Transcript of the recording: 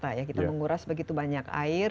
masalah di jakarta ya kita menguras begitu banyak air